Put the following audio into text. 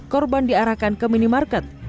korban diarahkan ke minimarket